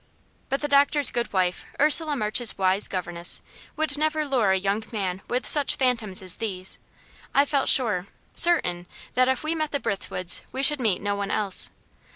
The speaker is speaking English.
But the doctor's good wife, Ursula March's wise governess, would never lure a young man with such phantoms as these. I felt sure certain that if we met the Brithwoods we should meet no one else.